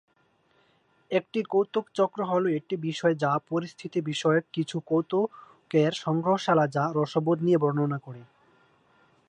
একটি কৌতুক চক্র হলো একটি বিষয় বা পরিস্থিতি বিষয়ক কিছু কৌতুকের সংগ্রহশালা যা রসবোধ নিয়ে বর্ণনা করে।